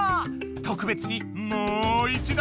とくべつにモいちど！